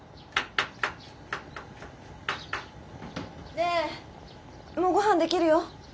ねえもうごはん出来るよ。